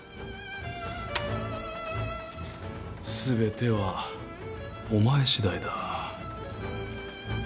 全てはお前しだいだ。